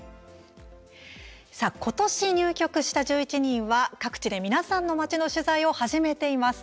さあ、ことし入局した１１人は各地で皆さんの町の取材を始めています。